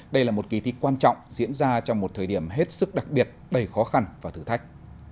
đây là một kỳ thi quan trọng diễn ra trong một thời điểm hết sức đặc biệt đầy khó khăn và thử thách